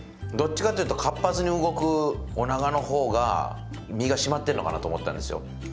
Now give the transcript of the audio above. どっちかっていうと活発に動くオナガの方が身が締まってんのかなと思ったんですよ。